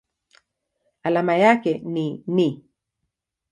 Alama yake ni Ni.